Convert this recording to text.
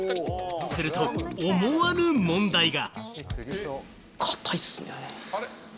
すると思わぬ問題が。